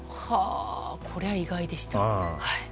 これは意外でした。